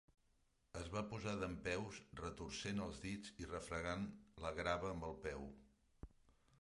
Es va posar dempeus retorcent els dits i refregant la grava amb el peu.